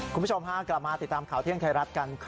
คุณผู้ชมพากลับมาติดตามข่าวเที่ยงไทยรัฐกัน